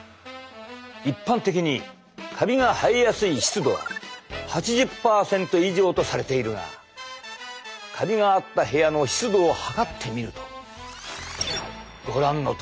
一般的にカビが生えやすい湿度は８０％以上とされているがカビがあった部屋の湿度を測ってみるとご覧のとおり。